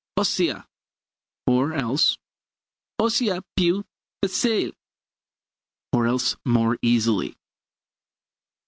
Ossia or else. Ossia più facile or else more easily.